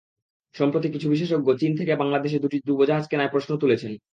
সম্প্রতি কিছু বিশেষজ্ঞ চীন থেকে বাংলাদেশ দুটি ডুবোজাহাজ কেনায় প্রশ্ন তুলেছেন।